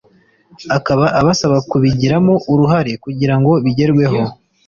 akaba abasaba kubigiramo uruhare kugira ngo bigerweho